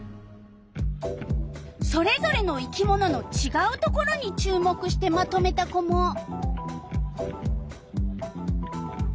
それぞれの生き物のちがうところに注目してまとめた子も。